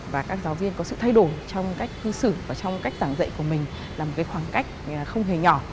và các giáo viên có sự thay đổi trong cách ứng xử và trong cách giảng dạy của mình là một khoảng cách không hề nhỏ